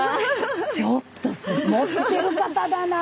ちょっと持ってる方だなあ。